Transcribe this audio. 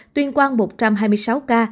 tuyên quang một trăm hai mươi sáu ca